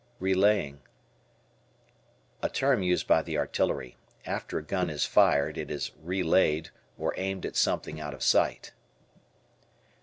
Relaying. A term used by the artillery. After a gun is fired it is "relayed" or aimed at something out of sight.